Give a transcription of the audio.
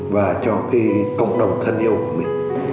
và cho cái cộng đồng thân yêu của mình